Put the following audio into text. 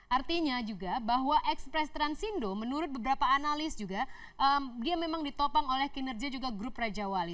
artinya juga bahwa ekspres transindo menurut beberapa analis juga dia memang ditopang oleh kinerja juga grup raja wali